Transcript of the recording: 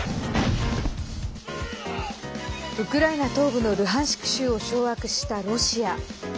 ウクライナ東部のルハンシク州を掌握したロシア。